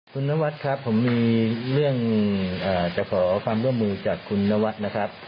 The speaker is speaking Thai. คุณนวัดครับผมมีเรื่องจะขอความร่วมมือจากคุณนวัดนะครับ